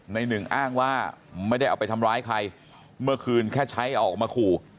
หนึ่งอ้างว่าไม่ได้เอาไปทำร้ายใครเมื่อคืนแค่ใช้ออกมาขู่